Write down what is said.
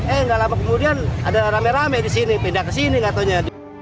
eh gak lama kemudian ada rame rame di sini pindah ke sini gak taunya